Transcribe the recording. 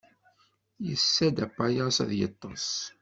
Yessa-d apayas ad yeṭṭes.